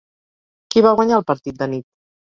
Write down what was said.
Qui va guanyar el partit d'anit?